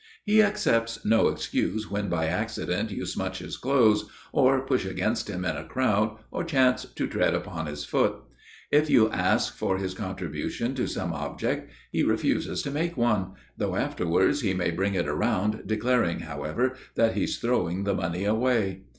He accepts no excuse when by accident you smutch his clothes, or push against him in a crowd, or chance to tread upon his foot. If you ask for his contribution to some object, he refuses to make one, though afterwards he may bring it around, declaring, however, that he's throwing the money away.